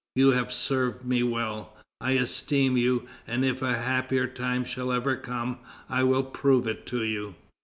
You have served me well; I esteem you, and if a happier time shall ever come, I will prove it to you."